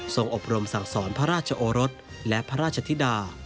อบรมสั่งสอนพระราชโอรสและพระราชธิดา